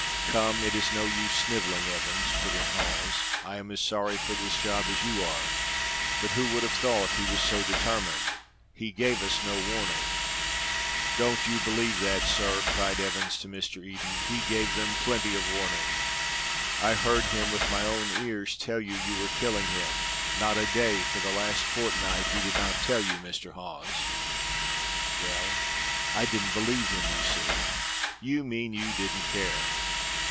"Come, it is no use sniveling, Evans," put in Hawes. "I am as sorry for this job as you are. But who would have thought he was so determined? He gave us no warning." "Don't you believe that, sir," cried Evans to Mr. Eden. "He gave them plenty of warning. I heard him with my own ears tell you you were killing him; not a day for the last fortnight he did not tell you so, Mr. Hawes." "Well, I didn't believe him, you see." "You mean you didn't care."